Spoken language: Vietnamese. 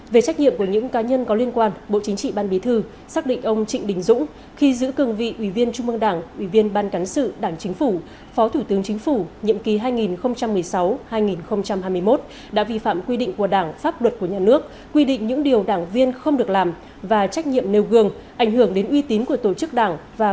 về trách nhiệm của những cá nhân có liên quan bộ chính trị ban bí thư xác định ông trịnh đình dũng khi giữ cường vị ủy viên trung mương đảng ủy viên ban cảnh sự đảng chính phủ phó thủ tướng chính phủ nhiệm kỳ hai nghìn một mươi sáu hai nghìn hai mươi một đã vi phạm quy định của đảng pháp luật của nhà nước quy định những điều đảng viên không được làm và trách nhiệm nêu gương ảnh hưởng đến uy tín của tổ chức đảng và cơ quan quản lý nhà nước